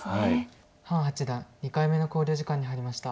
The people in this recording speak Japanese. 潘八段２回目の考慮時間に入りました。